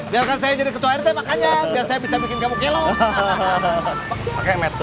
biar saya jadi ketua rt